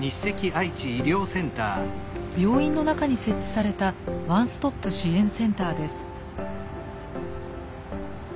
病院の中に設置されたワンストップ支援センターです。